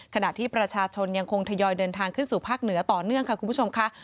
ขณะที่ประชาชนยังคงทยอยเดินทางขึ้นสู่ภาคเหนือต่อเนื่องค่ะคุณผู้ชมค่ะ